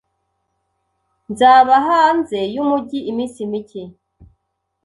Nzaba hanze yumujyi iminsi mike.